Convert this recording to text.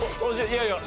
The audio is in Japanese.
いやいや。